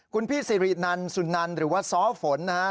คุณพี่สิรินันสุนันหรือว่าซ้อฝนนะฮะ